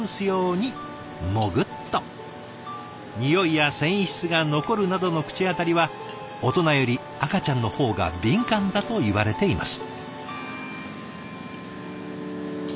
においや繊維質が残るなどの口当たりは大人より赤ちゃんの方が敏感だといわれています。